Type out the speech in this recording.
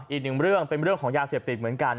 อีกหนึ่งเรื่องเป็นเรื่องของยาเสพติดเหมือนกัน